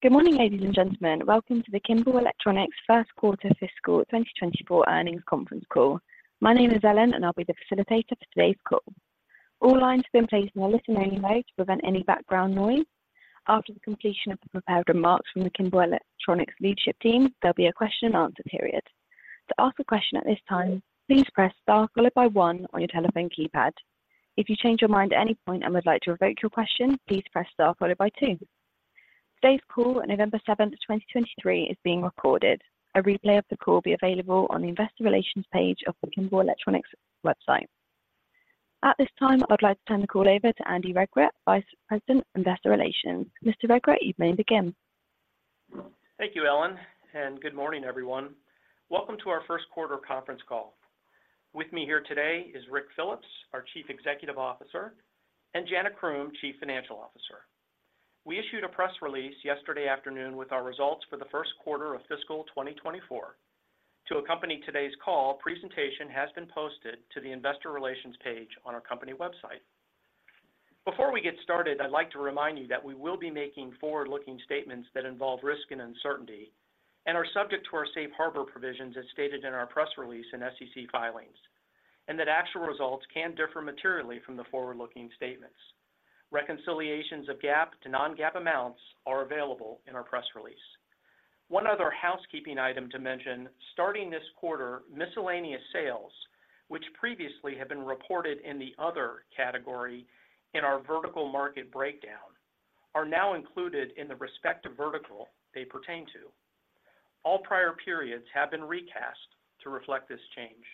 Good morning, ladies and gentlemen. Welcome to the Kimball Electronics first quarter fiscal 2024 earnings conference call. My name is Ellen, and I'll be the facilitator for today's call. All lines have been placed in a listen-only mode to prevent any background noise. After the completion of the prepared remarks from the Kimball Electronics leadership team, there'll be a question and answer period. To ask a question at this time, please press Star followed by one on your telephone keypad. If you change your mind at any point and would like to revoke your question, please press Star followed by two. Today's call, November 7, 2023, is being recorded. A replay of the call will be available on the Investor Relations page of the Kimball Electronics website. At this time, I would like to turn the call over to Andy Regrut, Vice President, Investor Relations. Mr. Regrut, you may begin. Thank you, Ellen, and good morning, everyone. Welcome to our first quarter conference call. With me here today is Ric Phillips, our Chief Executive Officer, and Jana Croom, Chief Financial Officer. We issued a press release yesterday afternoon with our results for the first quarter of fiscal 2024. To accompany today's call, presentation has been posted to the Investor Relations page on our company website. Before we get started, I'd like to remind you that we will be making forward-looking statements that involve risk and uncertainty, and are subject to our Safe Harbor provisions as stated in our press release and SEC filings, and that actual results can differ materially from the forward-looking statements. Reconciliations of GAAP to non-GAAP amounts are available in our press release. One other housekeeping item to mention, starting this quarter, miscellaneous sales, which previously have been reported in the other category in our vertical market breakdown, are now included in the respective vertical they pertain to. All prior periods have been recast to reflect this change.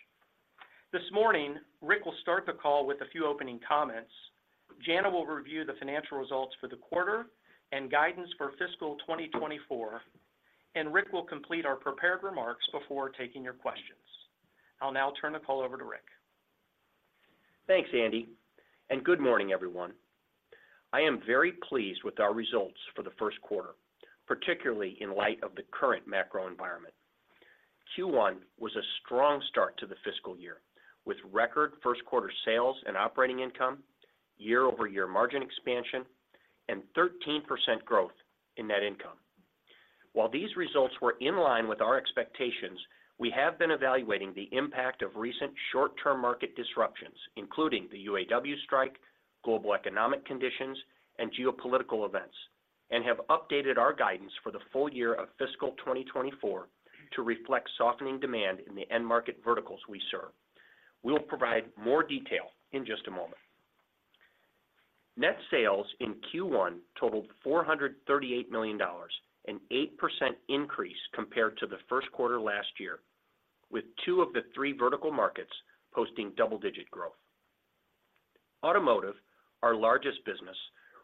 This morning, Ric will start the call with a few opening comments, Jana will review the financial results for the quarter and guidance for fiscal 2024, and Ric will complete our prepared remarks before taking your questions. I'll now turn the call over to Ric. Thanks, Andy, and good morning, everyone. I am very pleased with our results for the first quarter, particularly in light of the current macro environment. Q1 was a strong start to the fiscal year, with record first quarter sales and operating income, year-over-year margin expansion, and 13% growth in net income. While these results were in line with our expectations, we have been evaluating the impact of recent short-term market disruptions, including the UAW strike, global economic conditions, and geopolitical events, and have updated our guidance for the full year of fiscal 2024 to reflect softening demand in the end market verticals we serve. We'll provide more detail in just a moment. Net sales in Q1 totaled $438 million, an 8% increase compared to the first quarter last year, with two of the three vertical markets posting double-digit growth. Automotive, our largest business,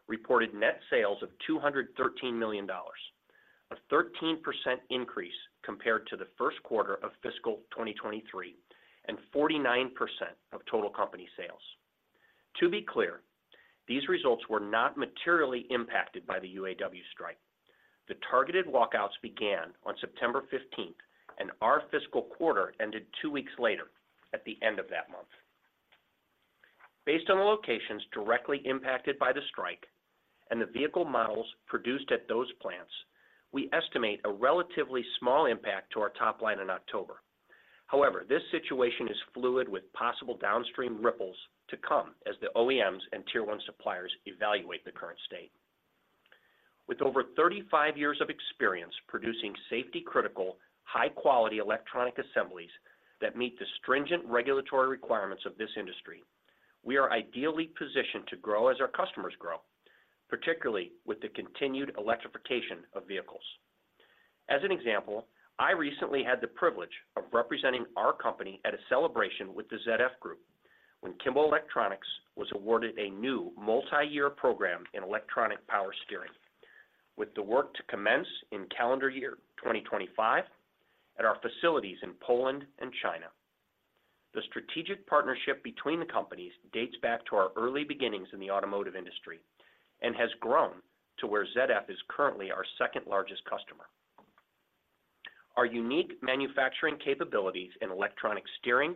reported net sales of $213 million, a 13% increase compared to the first quarter of fiscal 2023, and 49% of total company sales. To be clear, these results were not materially impacted by the UAW strike. The targeted walkouts began on September fifteenth, and our fiscal quarter ended two weeks later at the end of that month. Based on the locations directly impacted by the strike and the vehicle models produced at those plants, we estimate a relatively small impact to our top line in October. However, this situation is fluid, with possible downstream ripples to come as the OEMs and Tier One suppliers evaluate the current state. With over 35 years of experience producing safety-critical, high-quality electronic assemblies that meet the stringent regulatory requirements of this industry, we are ideally positioned to grow as our customers grow, particularly with the continued electrification of vehicles. As an example, I recently had the privilege of representing our company at a celebration with the ZF Group, when Kimball Electronics was awarded a new multi-year program in electronic power steering, with the work to commence in calendar year 2025 at our facilities in Poland and China. The strategic partnership between the companies dates back to our early beginnings in the automotive industry and has grown to where ZF is currently our second-largest customer. Our unique manufacturing capabilities in electronic steering,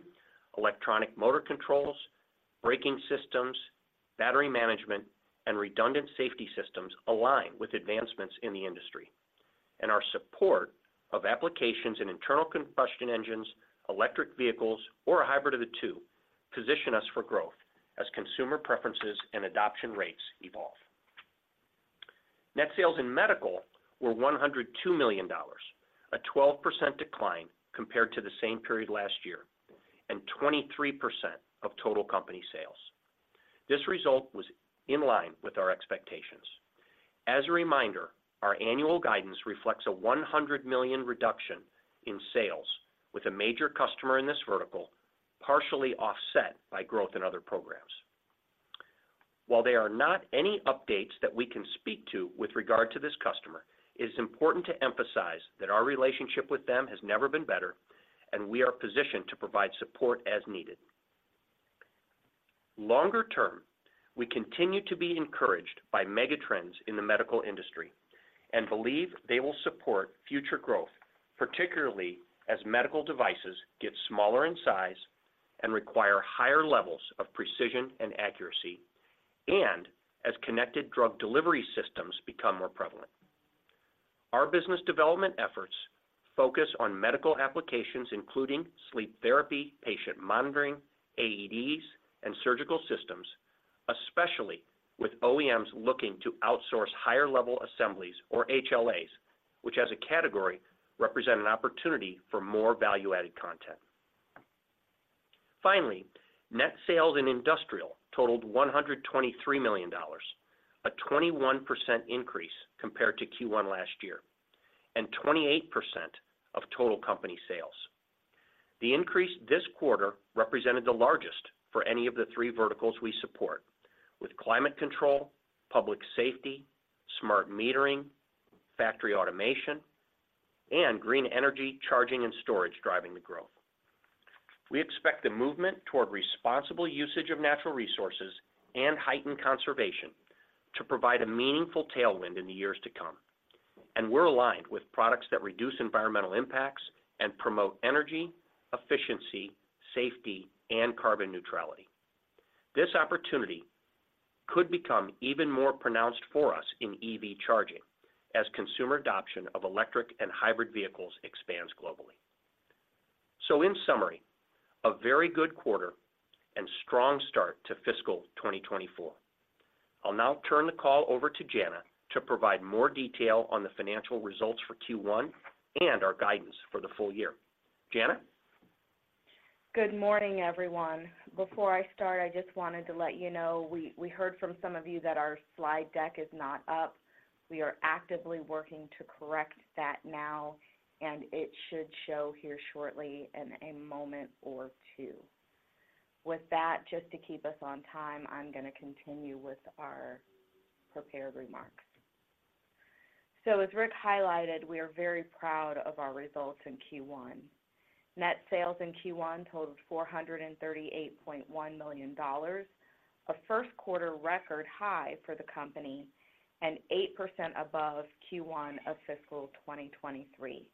electronic motor controls, braking systems, battery management, and redundant safety systems align with advancements in the industry, and our support of applications in internal combustion engines, electric vehicles, or a hybrid of the two, position us for growth as consumer preferences and adoption rates evolve. Net sales in medical were $102 million, a 12% decline compared to the same period last year, and 23% of total company sales. This result was in line with our expectations. As a reminder, our annual guidance reflects a $100 million reduction in sales, with a major customer in this vertical, partially offset by growth in other programs. While there are not any updates that we can speak to with regard to this customer, it is important to emphasize that our relationship with them has never been better, and we are positioned to provide support as needed. Longer term, we continue to be encouraged by mega trends in the medical industry and believe they will support future growth, particularly as medical devices get smaller in size and require higher levels of precision and accuracy, and as connected drug delivery systems become more prevalent. Our business development efforts focus on medical applications, including sleep therapy, patient monitoring, AEDs, and surgical systems, especially with OEMs looking to outsource higher-level assemblies or HLAs, which, as a category, represent an opportunity for more value-added content. Finally, net sales in industrial totaled $123 million, a 21% increase compared to Q1 last year, and 28% of total company sales. The increase this quarter represented the largest for any of the three verticals we support, with climate control, public safety, smart metering, factory automation, and green energy charging and storage driving the growth. We expect the movement toward responsible usage of natural resources and heightened conservation to provide a meaningful tailwind in the years to come, and we're aligned with products that reduce environmental impacts and promote energy, efficiency, safety, and carbon neutrality. This opportunity could become even more pronounced for us in EV charging as consumer adoption of electric and hybrid vehicles expands globally. So in summary, a very good quarter and strong start to fiscal 2024. I'll now turn the call over to Jana to provide more detail on the financial results for Q1 and our guidance for the full year. Jana? Good morning, everyone. Before I start, I just wanted to let you know, we heard from some of you that our slide deck is not up. We are actively working to correct that now, and it should show here shortly in a moment or two. With that, just to keep us on time, I'm going to continue with our prepared remarks. So as Ric highlighted, we are very proud of our results in Q1. Net sales in Q1 totaled $438.1 million, a first quarter record high for the company and 8% above Q1 of fiscal 2023.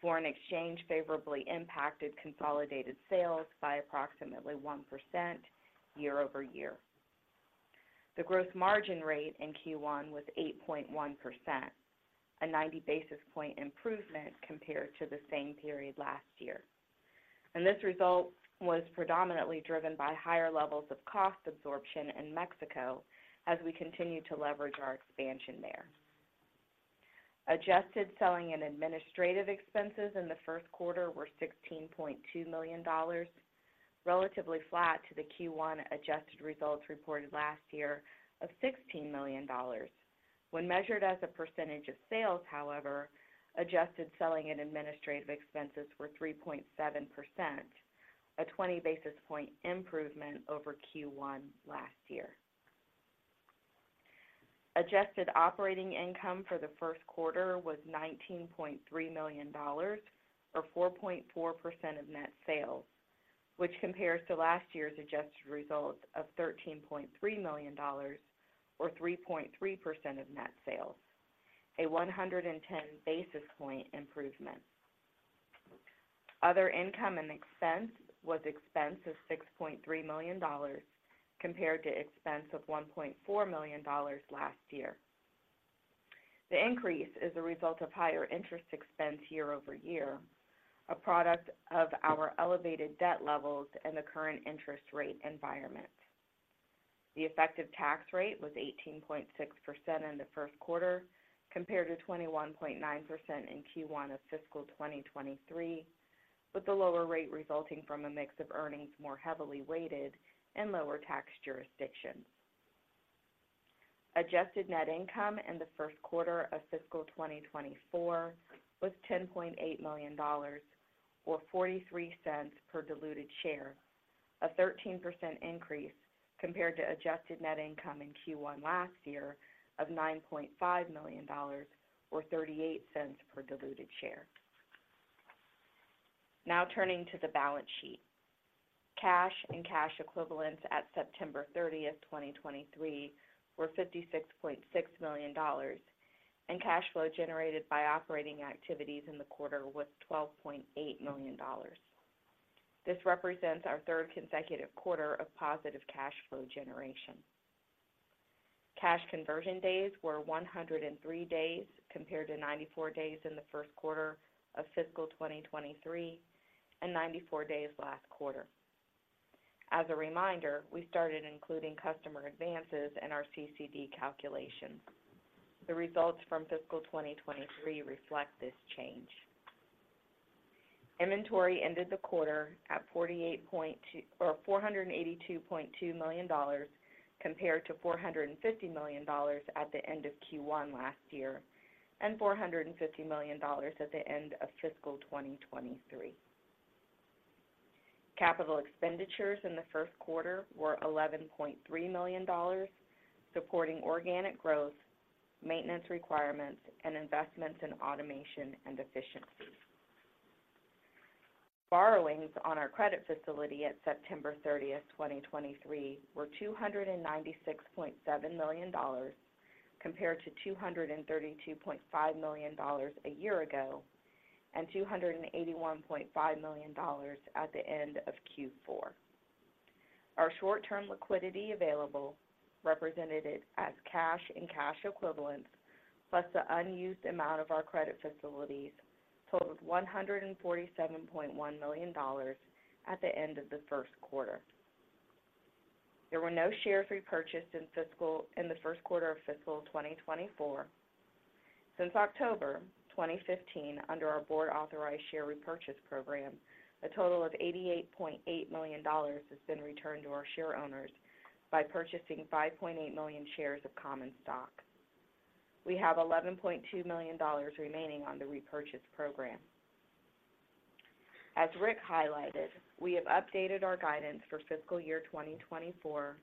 Foreign exchange favorably impacted consolidated sales by approximately 1% year-over-year. The gross margin rate in Q1 was 8.1%, a 90 basis point improvement compared to the same period last year. This result was predominantly driven by higher levels of cost absorption in Mexico as we continue to leverage our expansion there. Adjusted selling and administrative expenses in the first quarter were $16.2 million, relatively flat to the Q1 adjusted results reported last year of $16 million. When measured as a percentage of sales, however, adjusted selling and administrative expenses were 3.7%, a 20 basis point improvement over Q1 last year. Adjusted operating income for the first quarter was $19.3 million or 4.4% of net sales, which compares to last year's adjusted results of $13.3 million or 3.3% of net sales, a 110 basis point improvement. Other income and expense was expense of $6.3 million, compared to expense of $1.4 million last year. The increase is a result of higher interest expense year-over-year, a product of our elevated debt levels and the current interest rate environment. The effective tax rate was 18.6% in the first quarter, compared to 21.9% in Q1 of fiscal 2023, with the lower rate resulting from a mix of earnings more heavily weighted in lower tax jurisdictions. Adjusted net income in the first quarter of fiscal 2024 was $10.8 million, or $0.43 per diluted share, a 13% increase compared to adjusted net income in Q1 last year of $9.5 million or $0.38 per diluted share. Now, turning to the balance sheet. Cash and cash equivalents at September 30, 2023, were $56.6 million, and cash flow generated by operating activities in the quarter was $12.8 million. This represents our third consecutive quarter of positive cash flow generation. Cash conversion days were 103 days, compared to 94 days in the first quarter of fiscal 2023, and 94 days last quarter. As a reminder, we started including customer advances in our CCD calculations. The results from fiscal 2023 reflect this change. Inventory ended the quarter at 48.2-- or $482.2 million, compared to $450 million at the end of Q1 last year, and $450 million at the end of fiscal 2023. Capital expenditures in the first quarter were $11.3 million, supporting organic growth, maintenance requirements, and investments in automation and efficiency. Borrowings on our credit facility at September 30, 2023, were $296.7 million, compared to $232.5 million a year ago, and $281.5 million at the end of Q4. Our short-term liquidity available, represented as cash and cash equivalents, plus the unused amount of our credit facilities, totaled $147.1 million at the end of the first quarter. There were no shares repurchased in the first quarter of fiscal 2024. Since October 2015, under our board authorized share repurchase program, a total of $88.8 million has been returned to our shareowners by purchasing 5.8 million shares of common stock. We have $11.2 million remaining on the repurchase program. As Ric highlighted, we have updated our guidance for fiscal year 2024,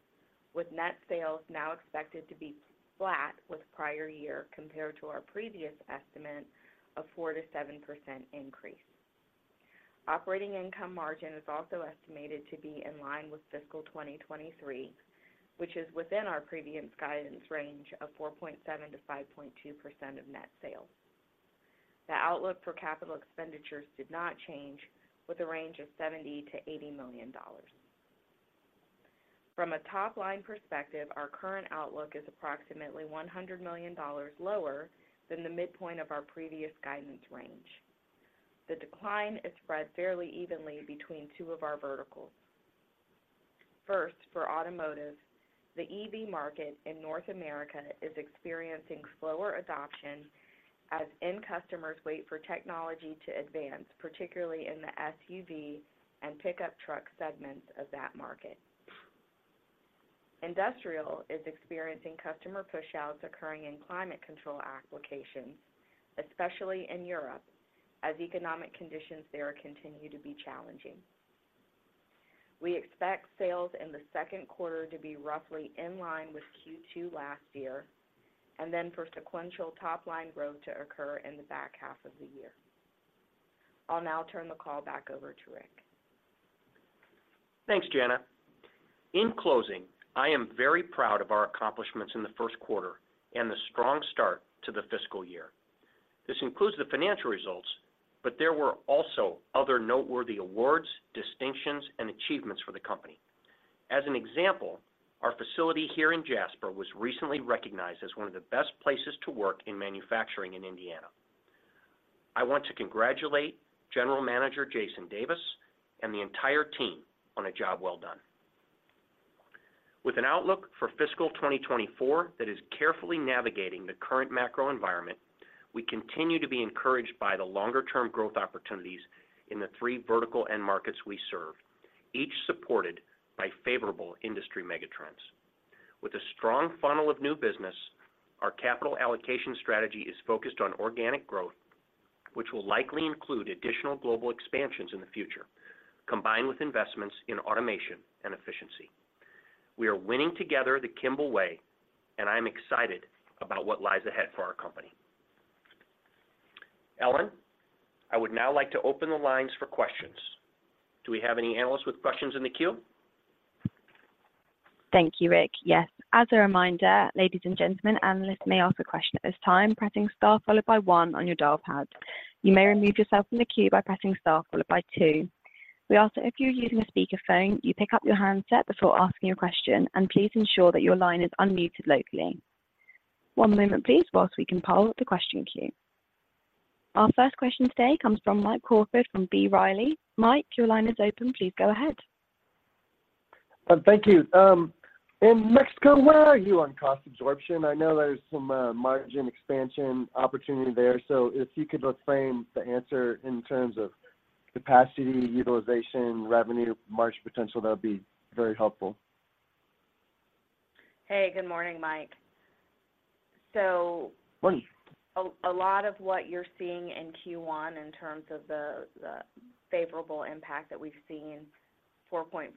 with net sales now expected to be flat with prior year, compared to our previous estimate of 4%-7% increase. Operating income margin is also estimated to be in line with fiscal 2023, which is within our previous guidance range of 4.7%-5.2% of net sales. The outlook for capital expenditures did not change, with a range of $70 million-$80 million. From a top-line perspective, our current outlook is approximately $100 million lower than the midpoint of our previous guidance range. The decline is spread fairly evenly between two of our verticals. First, for automotive, the EV market in North America is experiencing slower adoption as end customers wait for technology to advance, particularly in the SUV and pickup truck segments of that market. Industrial is experiencing customer pushouts occurring in climate control applications, especially in Europe, as economic conditions there continue to be challenging. We expect sales in the second quarter to be roughly in line with Q2 last year, and then for sequential top-line growth to occur in the back half of the year. I'll now turn the call back over to Ric. Thanks, Jana. In closing, I am very proud of our accomplishments in the first quarter and the strong start to the fiscal year. This includes the financial results, but there were also other noteworthy awards, distinctions, and achievements for the company. As an example, our facility here in Jasper was recently recognized as one of the best places to work in manufacturing in Indiana. I want to congratulate General Manager Jason Davis and the entire team on a job well done. With an outlook for fiscal 2024 that is carefully navigating the current macro environment, we continue to be encouraged by the longer-term growth opportunities in the three vertical end markets we serve, each supported by favorable industry megatrends. With a strong funnel of new business, our capital allocation strategy is focused on organic growth, which will likely include additional global expansions in the future, combined with investments in automation and efficiency. We are winning together the Kimball way, and I'm excited about what lies ahead for our company. Ellen, I would now like to open the lines for questions. Do we have any analysts with questions in the queue? Thank you, Ric. Yes. As a reminder, ladies and gentlemen, analysts may ask a question at this time, pressing star followed by one on your dial pad. You may remove yourself from the queue by pressing star followed by two. We ask that if you're using a speakerphone, you pick up your handset before asking your question, and please ensure that your line is unmuted locally. One moment, please, while we compile the question queue. Our first question today comes from Mike Crawford from B. Riley. Mike, your line is open. Please go ahead. Thank you. In Mexico, where are you on cost absorption? I know there's some margin expansion opportunity there, so if you could both frame the answer in terms of capacity, utilization, revenue, margin potential, that would be very helpful. Hey, good morning, Mike. So- Morning. A lot of what you're seeing in Q1 in terms of the favorable impact that we've seen, 4.4%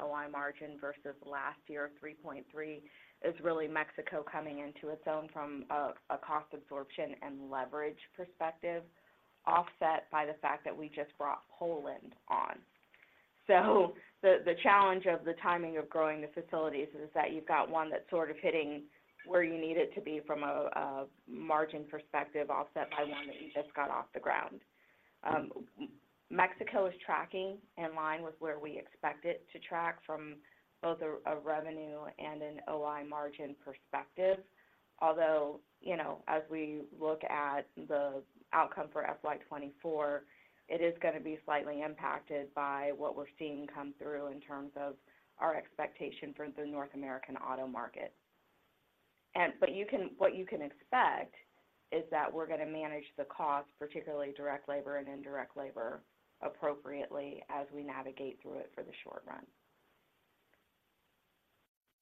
OI margin versus last year, 3.3%, is really Mexico coming into its own from a cost absorption and leverage perspective, offset by the fact that we just brought Poland on. So the challenge of the timing of growing the facilities is that you've got one that's sort of hitting where you need it to be from a margin perspective, offset by one that you just got off the ground. Mexico is tracking in line with where we expect it to track from both a revenue and an OI margin perspective. Although, you know, as we look at the outcome for FY 2024, it is gonna be slightly impacted by what we're seeing come through in terms of our expectation for the North American auto market. But what you can expect is that we're gonna manage the cost, particularly direct labor and indirect labor, appropriately as we navigate through it for the short run.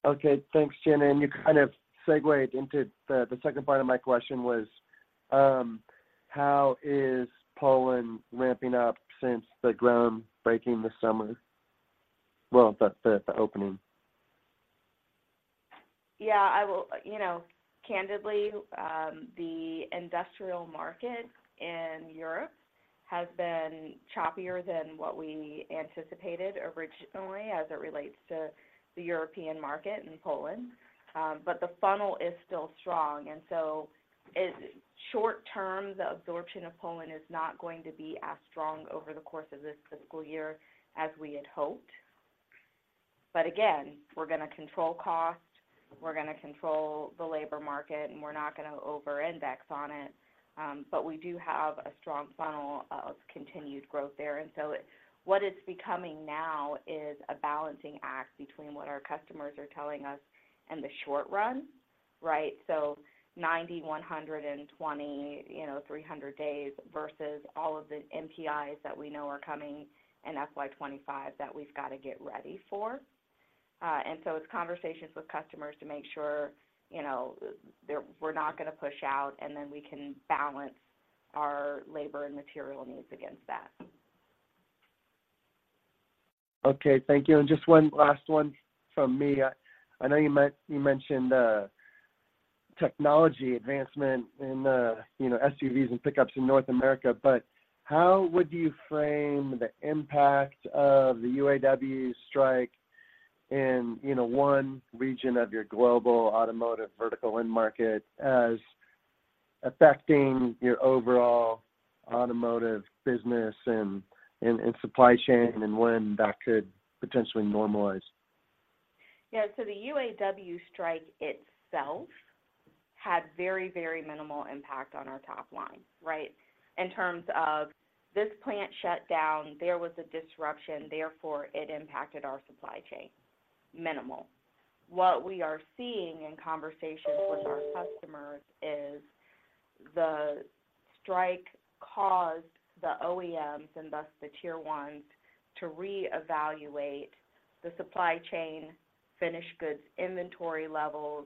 Okay, thanks, Jana. And you kind of segued into the second part of my question was, how is Poland ramping up since the groundbreaking this summer? Well, the opening. Yeah, I will. You know, candidly, the industrial market in Europe has been choppier than what we anticipated originally as it relates to the European market in Poland. But the funnel is still strong, and so it, short term, the absorption of Poland is not going to be as strong over the course of this fiscal year as we had hoped. But again, we're gonna control cost, we're gonna control the labor market, and we're not gonna over-index on it. But we do have a strong funnel of continued growth there. And so what it's becoming now is a balancing act between what our customers are telling us in the short run, right? So 90, 100 and 120, you know, 300 days versus all of the NPIs that we know are coming in FY 2025 that we've got to get ready for. And so it's conversations with customers to make sure, you know, they're, we're not gonna push out, and then we can balance our labor and material needs against that. Okay, thank you. And just one last one from me. I know you mentioned technology advancement in, you know, SUVs and pickups in North America, but how would you frame the impact of the UAW strike in, you know, one region of your global automotive vertical end market as affecting your overall automotive business and supply chain, and when that could potentially normalize? Yeah. So the UAW strike itself had very, very minimal impact on our top line, right? In terms of this plant shut down, there was a disruption, therefore, it impacted our supply chain. Minimal. What we are seeing in conversations with our customers is the strike caused the OEMs, and thus the Tier 1s, to reevaluate the supply chain, finished goods, inventory levels,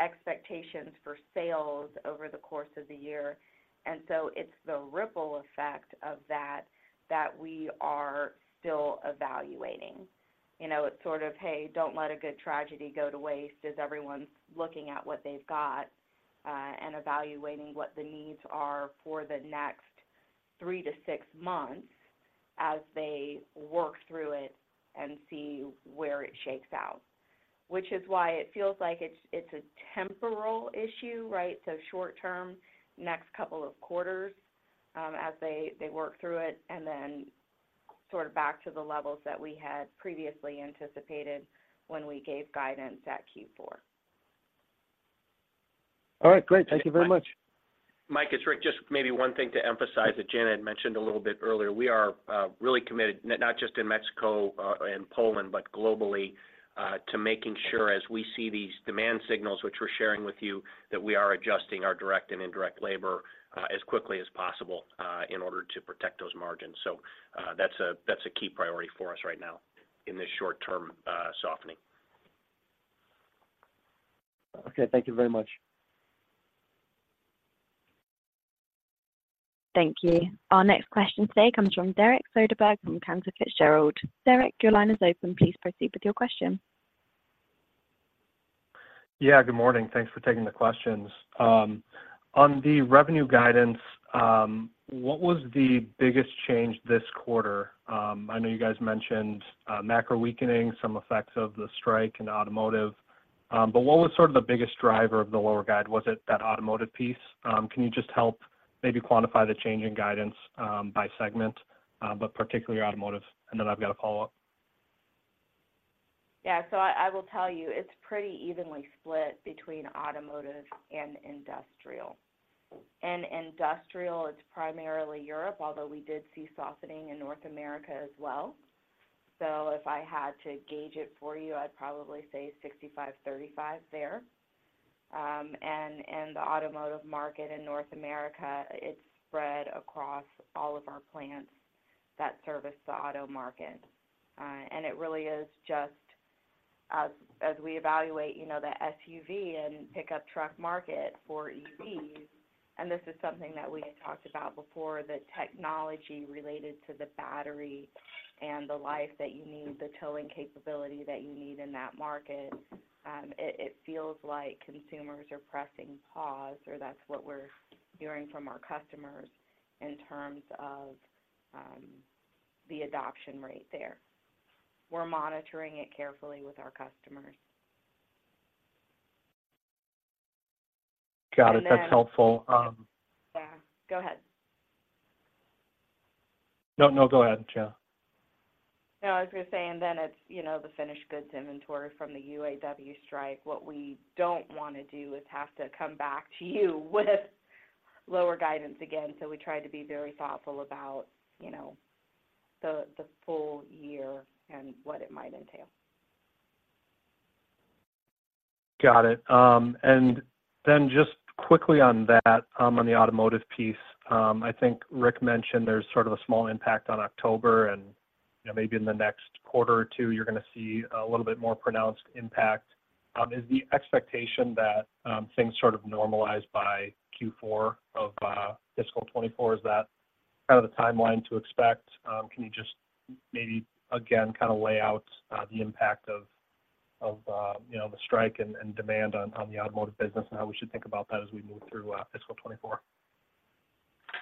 expectations for sales over the course of the year. And so it's the ripple effect of that that we are still evaluating. You know, it's sort of, Hey, don't let a good tragedy go to waste, as everyone's looking at what they've got, and evaluating what the needs are for the next three to six months as they work through it and see where it shakes out. Which is why it feels like it's, it's a temporal issue, right? Short term, next couple of quarters, as they, they work through it, and then sort of back to the levels that we had previously anticipated when we gave guidance at Q4. All right, great. Thank you very much. Mike, it's Rick. Just maybe one thing to emphasize that Jana mentioned a little bit earlier, we are really committed, not just in Mexico and Poland, but globally, to making sure as we see these demand signals, which we're sharing with you, that we are adjusting our direct and indirect labor as quickly as possible in order to protect those margins. So, that's a, that's a key priority for us right now in this short term softening. Okay, thank you very much. Thank you. Our next question today comes from Derek Soderberg from Cantor Fitzgerald. Derek, your line is open. Please proceed with your question. Yeah, good morning. Thanks for taking the questions. On the revenue guidance, what was the biggest change this quarter? I know you guys mentioned, macro weakening, some effects of the strike in automotive, but what was sort of the biggest driver of the lower guide? Was it that automotive piece? Can you just help maybe quantify the change in guidance, by segment, but particularly automotive? And then I've got a follow-up. Yeah, so I will tell you, it's pretty evenly split between automotive and industrial. In industrial, it's primarily Europe, although we did see softening in North America as well. So if I had to gauge it for you, I'd probably say 65-35 there. And the automotive market in North America, it's spread across all of our plants that service the auto market. And it really is just as we evaluate, you know, the SUV and pickup truck market for EVs, and this is something that we had talked about before, the technology related to the battery and the life that you need, the towing capability that you need in that market, it feels like consumers are pressing pause, or that's what we're hearing from our customers in terms of the adoption rate there. We're monitoring it carefully with our customers. Got it. And then- That's helpful. Yeah, go ahead. No, no, go ahead, Jill. No, I was gonna say, and then it's, you know, the finished goods inventory from the UAW strike. What we don't want to do is have to come back to you with lower guidance again. So we try to be very thoughtful about, you know, the full year and what it might entail. Got it. And then just quickly on that, on the automotive piece, I think Ric mentioned there's sort of a small impact on October, and, you know, maybe in the next quarter or two, you're gonna see a little bit more pronounced impact. Is the expectation that, things sort of normalize by Q4 of fiscal 2024? Is that kind of the timeline to expect? Can you just maybe, again, kind of lay out the impact of... of, you know, the strike and demand on the automotive business and how we should think about that as we move through fiscal 2024?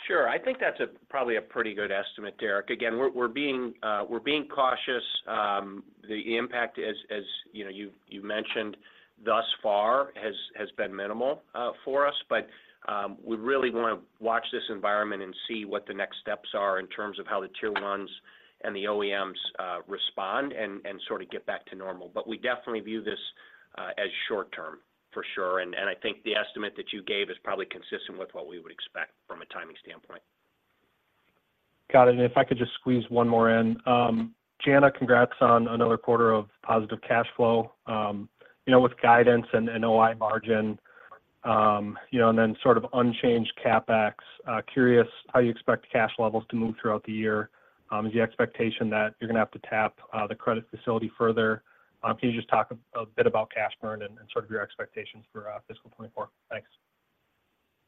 Sure. I think that's probably a pretty good estimate, Derek. Again, we're being cautious. The impact, as you know, you mentioned thus far has been minimal for us. But we really wanna watch this environment and see what the next steps are in terms of how the Tier 1s and the OEMs respond and sort of get back to normal. But we definitely view this as short term, for sure, and I think the estimate that you gave is probably consistent with what we would expect from a timing standpoint. Got it. And if I could just squeeze one more in. Jana, congrats on another quarter of positive cash flow. You know, with guidance and OI margin, you know, and then sort of unchanged CapEx, curious how you expect cash levels to move throughout the year. Is the expectation that you're gonna have to tap the credit facility further? Can you just talk a bit about cash burn and sort of your expectations for fiscal 2024? Thanks.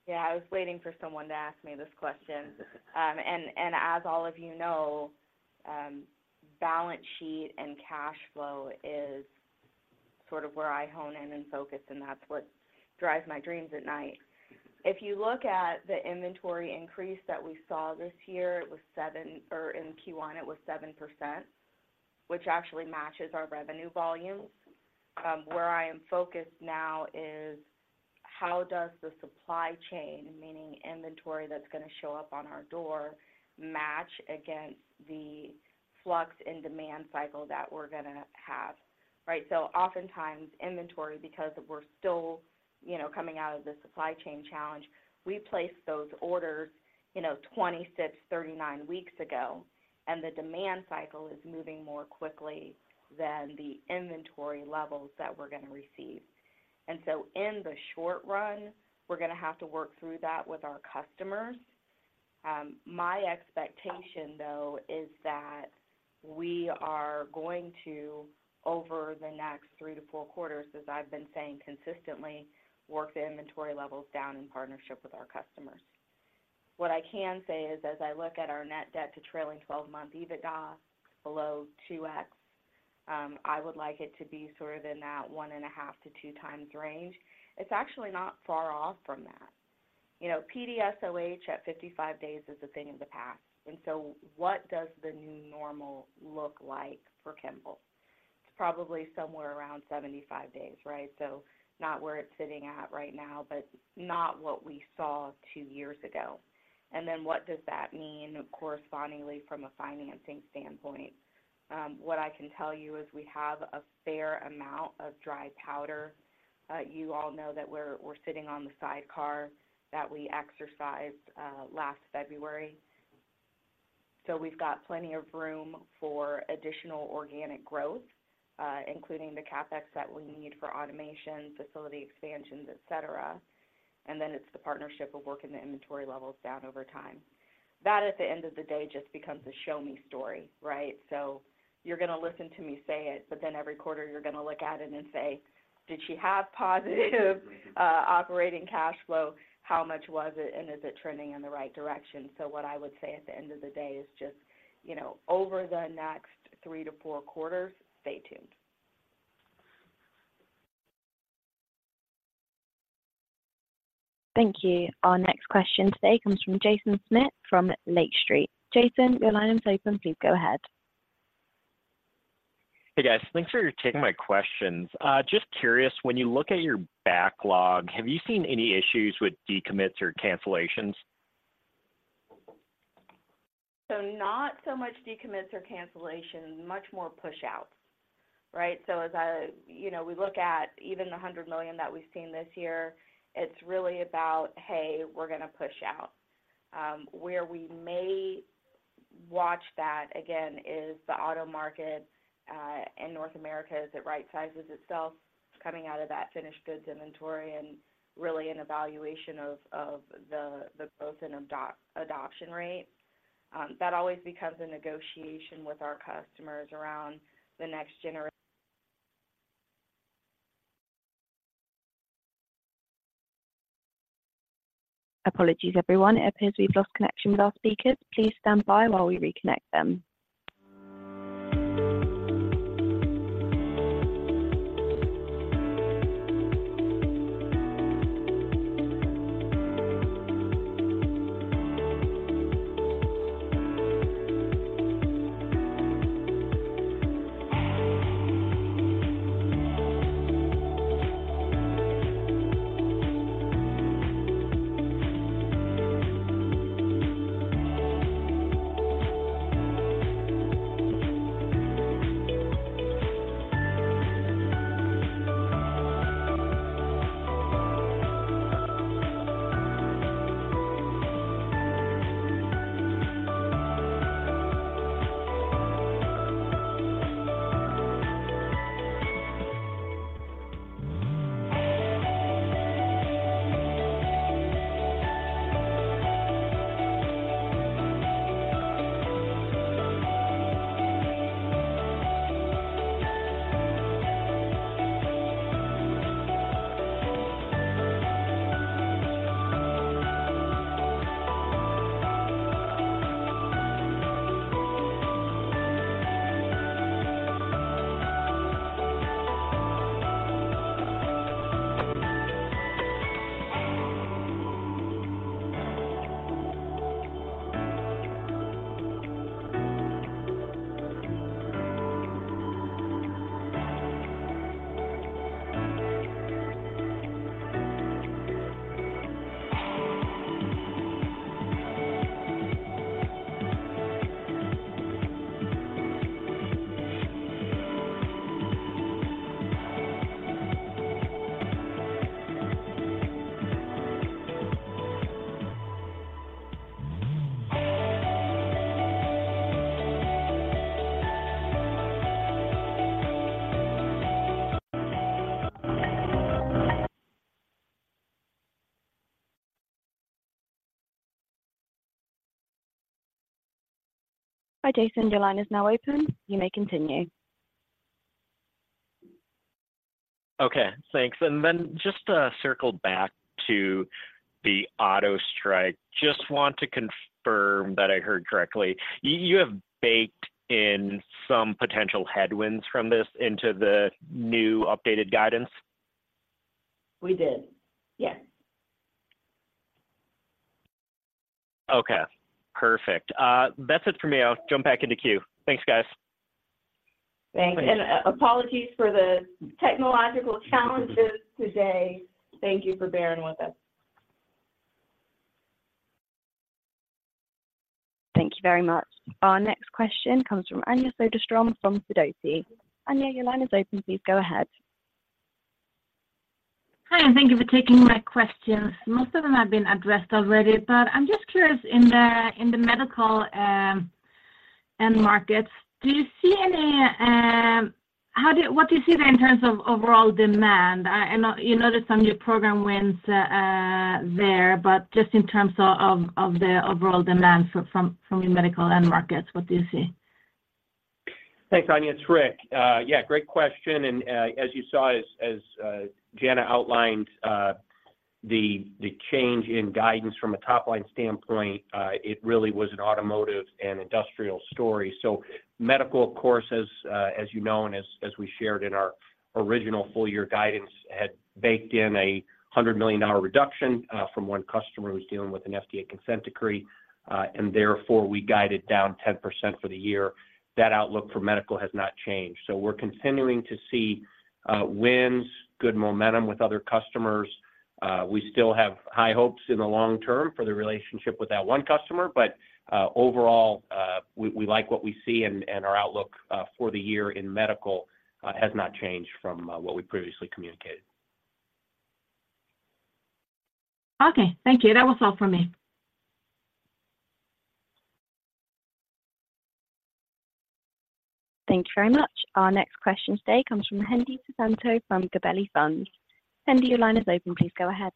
Yeah, I was waiting for someone to ask me this question. And, and as all of you know, balance sheet and cash flow is sort of where I hone in and focus, and that's what drives my dreams at night. If you look at the inventory increase that we saw this year, it was 7-- or in Q1, it was 7%, which actually matches our revenue volumes. Where I am focused now is how does the supply chain, meaning inventory that's gonna show up on our door, match against the flux and demand cycle that we're gonna have, right? So oftentimes, inventory, because we're still, you know, coming out of the supply chain challenge, we place those orders, you know, 26-39 weeks ago, and the demand cycle is moving more quickly than the inventory levels that we're gonna receive. In the short run, we're gonna have to work through that with our customers. My expectation, though, is that we are going to, over the next three-four quarters, as I've been saying consistently, work the inventory levels down in partnership with our customers. What I can say is, as I look at our net debt to trailing twelve-month EBITDA below 2x, I would like it to be sort of in that 1.5-2 times range. It's actually not far off from that. You know, PDSoH at 55 days is a thing of the past, and so what does the new normal look like for Kimball? It's probably somewhere around 75 days, right? So not where it's sitting at right now, but not what we saw two years ago. Then what does that mean correspondingly from a financing standpoint? What I can tell you is we have a fair amount of dry powder. You all know that we're sitting on the sidecar that we exercised last February. So we've got plenty of room for additional organic growth, including the CapEx that we need for automation, facility expansions, et cetera. And then it's the partnership of working the inventory levels down over time. That, at the end of the day, just becomes a show me story, right? So you're gonna listen to me say it, but then every quarter, you're gonna look at it and say: Did she have positive operating cash flow? How much was it, and is it trending in the right direction? So what I would say at the end of the day is just, you know, over the next three to four quarters, stay tuned. Thank you. Our next question today comes from Jason Smith from Lake Street. Jason, your line is open. Please go ahead. Hey, guys. Thanks for taking my questions. Just curious, when you look at your backlog, have you seen any issues with decommits or cancellations? So not so much decommits or cancellations, much more pushouts, right? So as I... You know, we look at even the $100 million that we've seen this year, it's really about, hey, we're gonna push out. Where we may watch that again is the auto market in North America, as it right sizes itself, coming out of that finished goods inventory and really an evaluation of the growth and adoption rate. That always becomes a negotiation with our customers around the next genera- Apologies, everyone. It appears we've lost connection with our speakers. Please stand by while we reconnect them. ... Hi, Jason, your line is now open. You may continue. Okay, thanks. Then just to circle back to the auto strike, just want to confirm that I heard correctly. You, you have baked in some potential headwinds from this into the new updated guidance? We did. Yes. Okay, perfect. That's it for me. I'll jump back into queue. Thanks, guys. Thank you, and, apologies for the technological challenges today. Thank you for bearing with us. Thank you very much. Our next question comes from Anja Soderstrom from Sidoti. Anya, your line is open. Please go ahead. Hi, and thank you for taking my questions. Most of them have been addressed already, but I'm just curious, in the medical end markets, do you see any... What do you see there in terms of overall demand? I know you noted some new program wins there, but just in terms of the overall demand from your medical end markets, what do you see? Thanks, Anya. It's Ric. Yeah, great question, and as you saw as Jana outlined, the change in guidance from a top-line standpoint, it really was an automotive and industrial story. So medical, of course, as you know, and as we shared in our original full year guidance, had baked in a $100 million reduction from one customer who was dealing with an FDA consent decree, and therefore, we guided down 10% for the year. That outlook for medical has not changed, so we're continuing to see wins, good momentum with other customers. We still have high hopes in the long term for the relationship with that one customer, but overall, we like what we see, and our outlook for the year in medical has not changed from what we previously communicated. Okay. Thank you. That was all for me. Thank you very much. Our next question today comes from Hendi Susanto from Gabelli Funds. Hendi, your line is open. Please go ahead.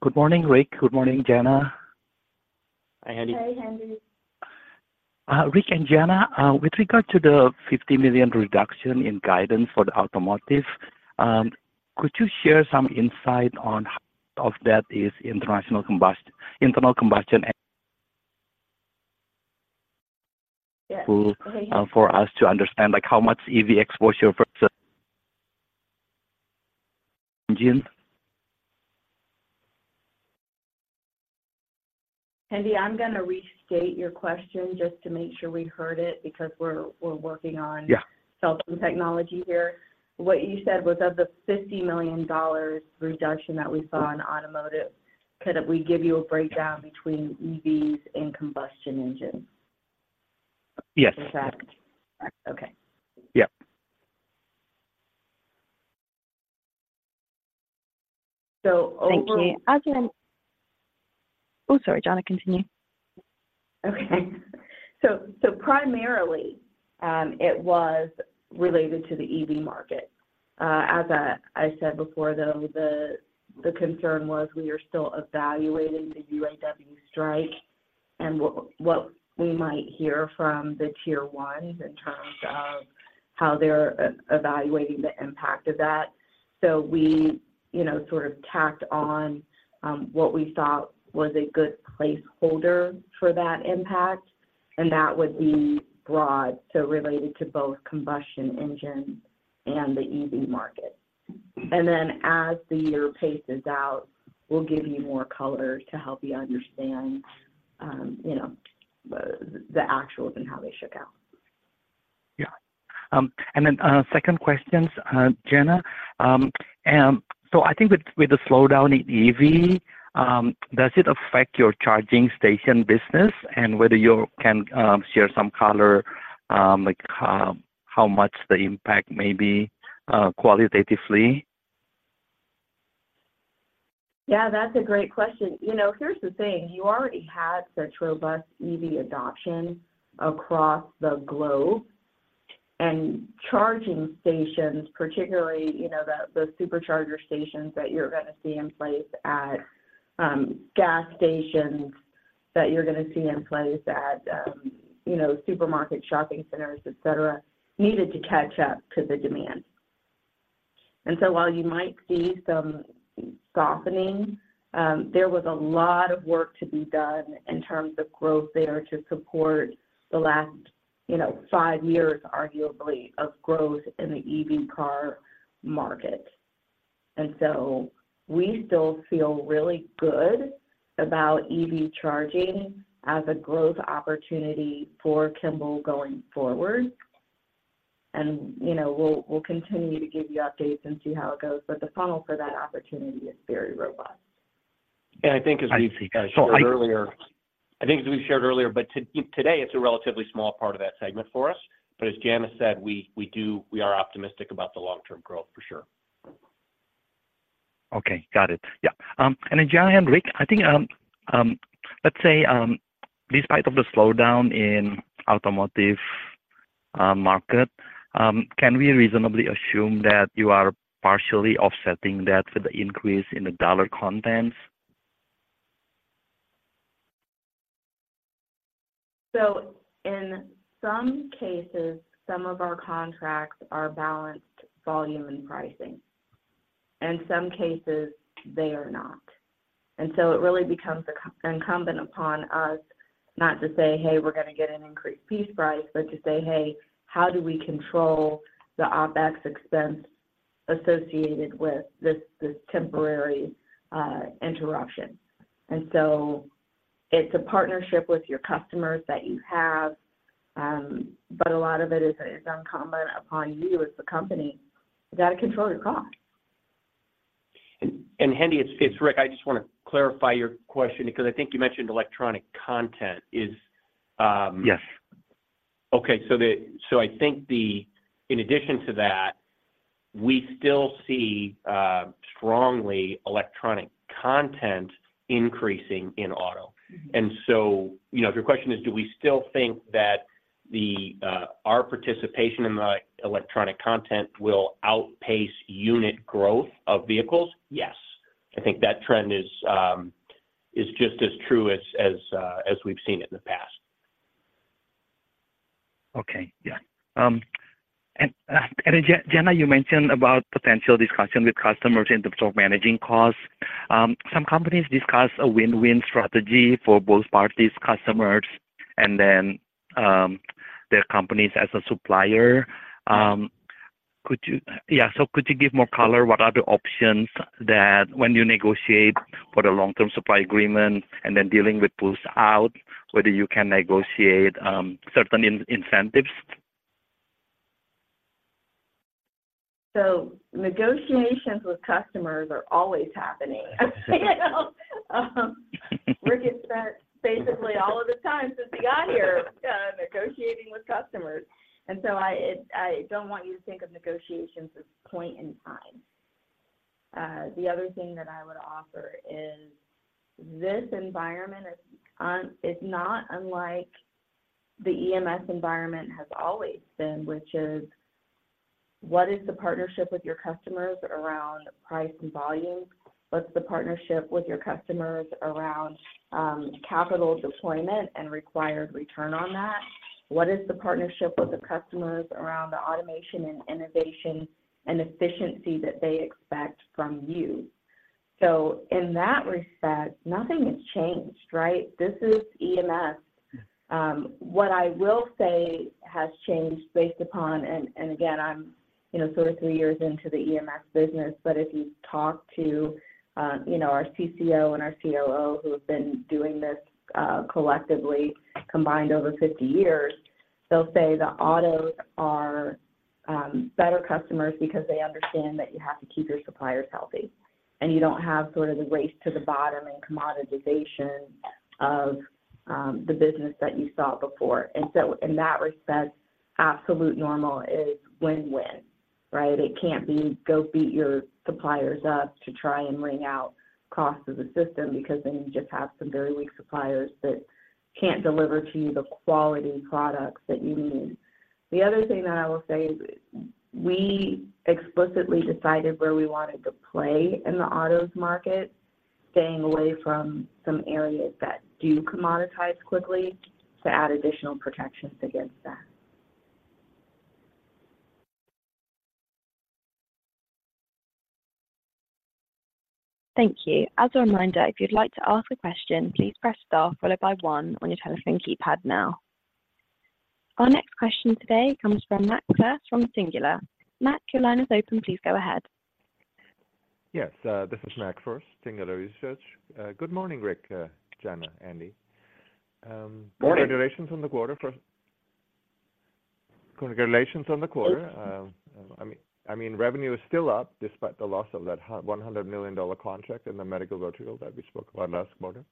Good morning, Ric. Good morning, Jana. Hi, Hendi. Hey, Hendi. Ric and Jana, with regard to the $50 million reduction in guidance for the automotive, could you share some insight on how of that is internal combustion- Yes. For us to understand, like, how much EV exposure versus engines? Hendi, I'm gonna restate your question just to make sure we heard it, because we're working on- Yeah. Telephone technology here. What you said was, of the $50 million reduction that we saw in automotive, could we give you a breakdown between EVs and combustion engines? Yes. Is that... Okay. Yeah. So over- Thank you. Again... Oh, sorry, Jana, continue. Okay. So primarily, it was related to the EV market. As I said before, though, the concern was we are still evaluating the UAW strike and what we might hear from the Tier 1s in terms of how they're evaluating the impact of that. So we, you know, sort of tacked on what we thought was a good placeholder for that impact, and that would be broad, so related to both combustion engines and the EV market. And then, as the year paces out, we'll give you more color to help you understand, you know, the actuals and how they shook out. Yeah. And then, second questions, Jana, and so I think with the slowdown in EV, does it affect your charging station business? And whether you can share some color, like, how much the impact may be, qualitatively. Yeah, that's a great question. You know, here's the thing: You already had such robust EV adoption across the globe, and charging stations, particularly, you know, the supercharger stations that you're going to see in place at gas stations, that you're going to see in place at you know, supermarket, shopping centers, et cetera, needed to catch up to the demand... And so while you might see some softening, there was a lot of work to be done in terms of growth there to support the last, you know, five years, arguably, of growth in the EV car market. And so we still feel really good about EV charging as a growth opportunity for Kimball going forward. And, you know, we'll continue to give you updates and see how it goes, but the funnel for that opportunity is very robust. I think as we've shared earlier, but today, it's a relatively small part of that segment for us, but as Jana said, we do. We are optimistic about the long-term growth for sure. Okay. Got it. Yeah. And then Jana and Ric, I think, let's say, despite of the slowdown in automotive market, can we reasonably assume that you are partially offsetting that with the increase in the dollar contents? So in some cases, some of our contracts are balanced volume and pricing, and some cases they are not. And so it really becomes incumbent upon us not to say, "Hey, we're gonna get an increased piece price," but to say, "Hey, how do we control the OpEx expense associated with this, this temporary interruption?" And so it's a partnership with your customers that you have, but a lot of it is incumbent upon you as the company. You gotta control your cost. Hendi, it's Ric. I just want to clarify your question because I think you mentioned electronic content. Is- Yes. Okay, so. So I think in addition to that, we still see strongly electronic content increasing in auto. Mm-hmm. So, you know, if your question is, do we still think that our participation in the electronic content will outpace unit growth of vehicles? Yes. I think that trend is just as true as we've seen it in the past. Okay. Yeah, Jana, you mentioned about potential discussion with customers in terms of managing costs. Some companies discuss a win-win strategy for both parties, customers, and then their companies as a supplier. Could you-- Yeah, so could you give more color? What are the options that when you negotiate for the long-term supply agreement and then dealing with pulls out, whether you can negotiate certain incentives? So negotiations with customers are always happening. Ric has spent basically all of the time since he got here, negotiating with customers. And so I don't want you to think of negotiations as point in time. The other thing that I would offer is, this environment is not unlike the EMS environment has always been, which is: What is the partnership with your customers around price and volume? What's the partnership with your customers around, capital deployment and required return on that? What is the partnership with the customers around the automation and innovation and efficiency that they expect from you? So in that respect, nothing has changed, right? This is EMS. What I will say has changed based upon... Again, I'm, you know, sort of 3 years into the EMS business, but if you talk to, you know, our CCO and our COO, who have been doing this collectively, combined over 50 years, they'll say the autos are better customers because they understand that you have to keep your suppliers healthy. And you don't have sort of the race to the bottom and commoditization of the business that you saw before. And so in that respect, absolutely normal is win-win, right? It can't be, "Go beat your suppliers up to try and wring out cost of the system," because then you just have some very weak suppliers that can't deliver to you the quality products that you need. The other thing that I will say is we explicitly decided where we wanted to play in the autos market, staying away from some areas that do commoditize quickly to add additional protections against that. Thank you. As a reminder, if you'd like to ask a question, please press Star followed by One on your telephone keypad now. Our next question today comes from Mac Furst from Singular Research. Mac, your line is open. Please go ahead. Yes, this is Mac Furst, Singular Research. Good morning, Ric, Jana, Andy. Morning. Congratulations on the quarter. First, congratulations on the quarter. I mean, revenue is still up despite the loss of that one hundred million dollar contract in the medical vertical that we spoke about last quarter.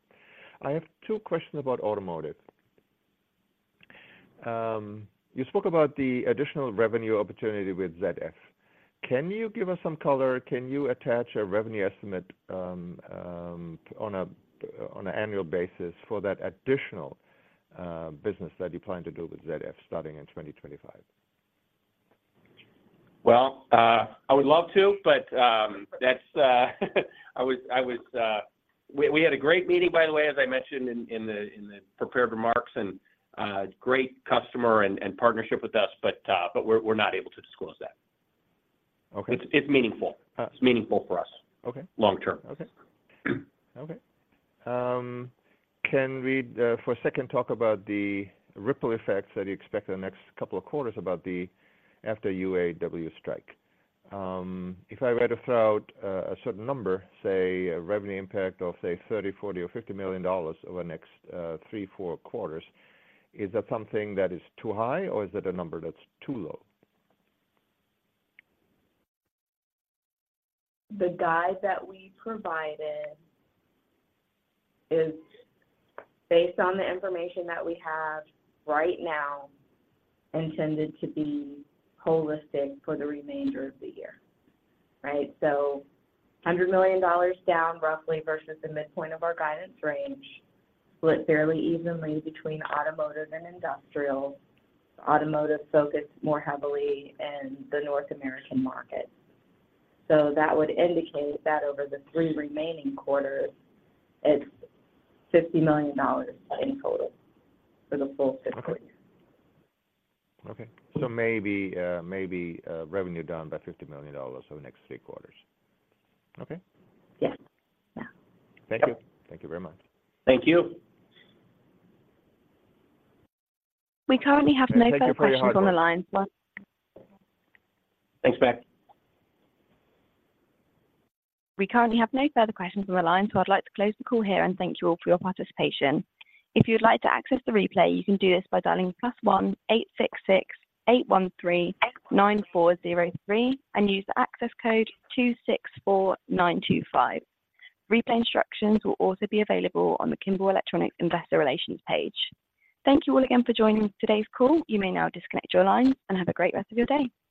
I have two questions about automotive. You spoke about the additional revenue opportunity with ZF. Can you give us some color? Can you attach a revenue estimate on an annual basis for that additional business that you plan to do with ZF starting in 2025? Well, I would love to, but, that's, I was, I was,... We had a great meeting, by the way, as I mentioned in the prepared remarks, and great customer and partnership with us, but we're not able to disclose that. Okay. It's meaningful. Uh. It's meaningful for us. Okay. Long term. Okay. Okay. Can we, for a second talk about the ripple effects that you expect in the next couple of quarters about the after UAW strike? If I were to throw out a, a certain number, say, a revenue impact of, say, $30 million, $40 million, or $50 million over the next three, four quarters, is that something that is too high, or is it a number that's too low? The guide that we provided is based on the information that we have right now, intended to be holistic for the remainder of the year, right? So $100 million down, roughly, versus the midpoint of our guidance range, split fairly evenly between automotive and industrial. Automotive focused more heavily in the North American market. So that would indicate that over the three remaining quarters, it's $50 million in total for the full fiscal year. Okay. So maybe, maybe, revenue down by $50 million over the next three quarters. Okay? Yes. Yeah. Thank you. Thank you very much. Thank you! We currently have no further questions on the line. Thanks, Mac. We currently have no further questions on the line, so I'd like to close the call here and thank you all for your participation. If you'd like to access the replay, you can do this by dialing +1-866-813-9403 and use the access code 264925. Replay instructions will also be available on the Kimball Electronics Investor Relations page. Thank you all again for joining today's call. You may now disconnect your lines and have a great rest of your day.